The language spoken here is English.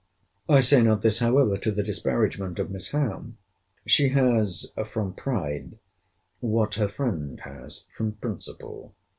I say not this, however, to the disparagement of Miss Howe. She has from pride, what her friend has from principle.